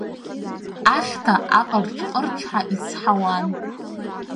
Ахьҭа аҟырҿ-ҟырҿҳәа ицҳауан.